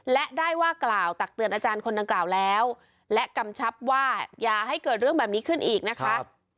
และได้ว่ากล่าวตักเตือนอาจารย์คนดังกล่าวแล้วและกำชับว่าอย่าให้เกิดเรื่องแบบนี้ขึ้นอีกนะคะ